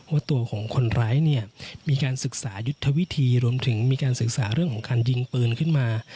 ว่าตัวของคนร้ายเนี่ยมีการศึกษายุทธวิธีรวมถึงมีการศึกษาเรื่องของการยิงปืนขึ้นมา